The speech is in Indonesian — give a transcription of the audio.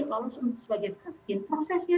lalu sebagai vaksin prosesnya